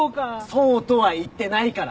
そうとは言ってないから。